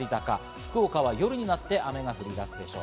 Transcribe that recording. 福岡は夜になって雨が降り出すでしょう。